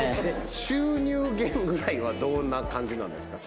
収入源ぐらいはどんな感じなんですか？